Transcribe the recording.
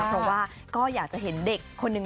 เพราะว่าก็อยากจะเห็นเด็กคนหนึ่ง